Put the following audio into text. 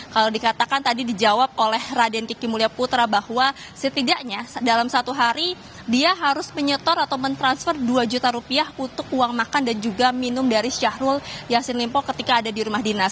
kalau dikatakan tadi dijawab oleh raden kiki mulya putra bahwa setidaknya dalam satu hari dia harus menyetor atau mentransfer dua juta rupiah untuk uang makan dan juga minum dari syahrul yassin limpo ketika ada di rumah dinas